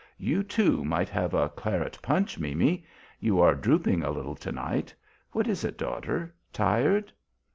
You, too, might have a claret punch, Mimi; you are drooping a little to night. What is it, daughter, tired?"